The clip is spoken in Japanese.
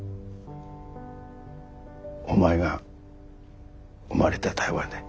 お前が生まれた台湾で。